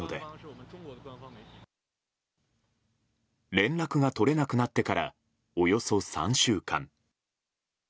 連絡が取れなくなってからおよそ３週間。